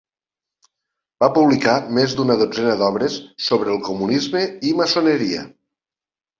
Va publicar més d'una dotzena d'obres sobre el comunisme i maçoneria.